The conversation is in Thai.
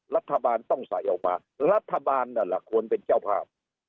รัฐบาลต้องใส่ออกมารัฐบาลนั่นแหละควรเป็นเจ้าภาพ